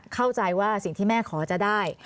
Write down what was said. เข้าใจว่าสิ่งที่แม่ขอจะได้